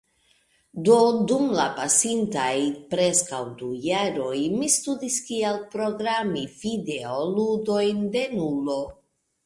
Do dum la pasintaj preskaŭ du jaroj mi studis kiel programi videoludojn de nulo.